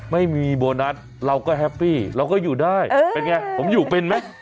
ไม่มีโบนัสเราก็แฮปปี้เราก็อยู่ได้เป็นไงผมอยู่เป็นไหม